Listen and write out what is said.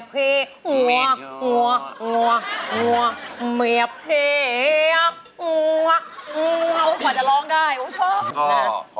เหมือนจะลองได้โอ้ชอบ